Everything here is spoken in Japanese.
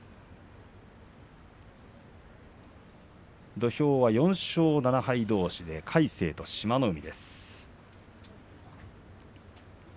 土俵は４勝７敗どうし魁聖と志摩ノ海。